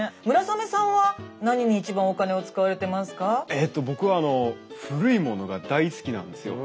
えと僕は古いものが大好きなんですよ。